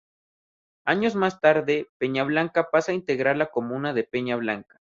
Años más tarde, Peñablanca pasa a integrar la comuna de Peña Blanca.